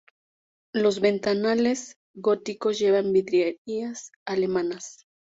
Los ventanales góticos llevan vidrieras alemanas.